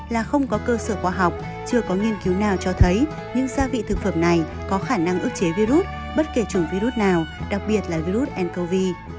là không có cơ sở khoa học chưa có nghiên cứu nào cho thấy những gia vị thực phẩm này có khả năng ước chế virus bất kể chủng virus nào đặc biệt là virus ncov